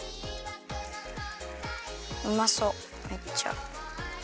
うまそうめっちゃ。